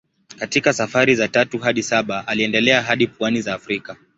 Katika safari za tatu hadi saba aliendelea hadi pwani za Afrika.